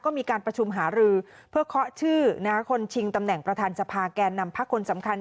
ก็มีการประชุมหารือเพื่อเคาะชื่อคนชิงตำแหน่งประธานสภาแก่นำพักคนสำคัญ